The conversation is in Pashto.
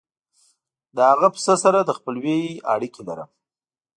د هغه پسه سره د خپلوۍ اړیکه لرم.